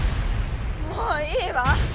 もういいわ！